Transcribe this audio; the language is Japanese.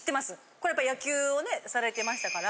これやっぱ野球をねされてましたから。